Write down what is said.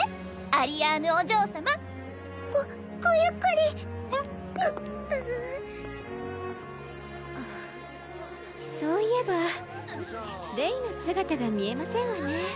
アリアーヌお嬢様ごごゆっくりふうそういえばレイの姿が見えませんわね